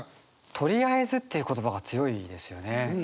「とりあえず」っていう言葉が強いですよね。